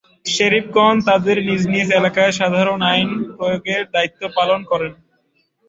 শেরিফগণ তাদের নিজ নিজ এলাকায় সাধারণ আইন প্রয়োগের দায়িত্ব পালন করেন।